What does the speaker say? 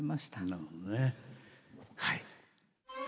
なるほどねはい。